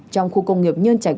trong khu công nghiệp nhân trạch ba